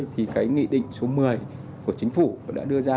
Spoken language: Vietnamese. thì cái nghị định số một mươi của chính phủ đã đưa ra